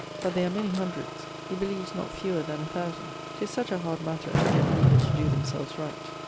But they are many hundreds; he believes not fewer than a thousand. 'Tis such a hard matter to get people to doe themselves right. _Notes.